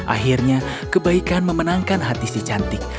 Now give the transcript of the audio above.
akhirnya kebaikan memenangkan hati si cantik